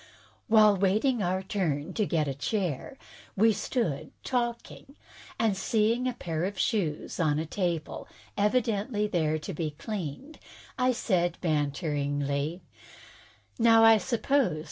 While waiting our turn to get a chair, we stood talking, and, seeing a pair of shoes standing on a table, evidently there to be cleaned, I said banteringly: "Now, I suppose.